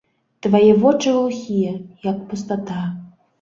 Твае вочы глухія, як пустата.